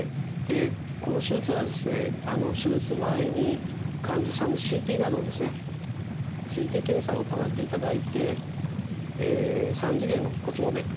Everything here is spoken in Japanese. この手術はですね手術前に患者さんのＣＴ画像ですねＣＴ検査を行っていただいて３次元の骨モデルですね